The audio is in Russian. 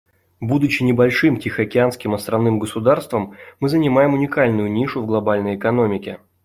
Будучи небольшим тихоокеанским островным государством, мы занимаем уникальную нишу в глобальной экономике.